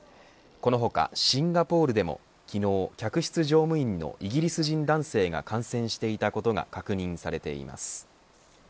この他、シンガポールでも昨日、客室乗務員のイギリス人男性が感染していたことが確認されています。